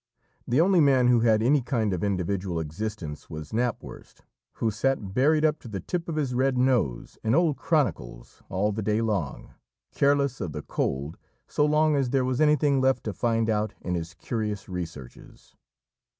The only man who had any kind of individual existence was Knapwurst, who sat buried up to the tip of his red nose in old chronicles all the day long, careless of the cold so long as there was anything left to find out in his curious researches.